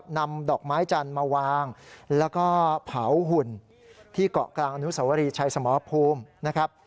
นำดอกไม้จันทร์มาวางแล้วก็เผาหุ่นที่เกาะกลางอนุสวรีชัยสมภูมินะครับ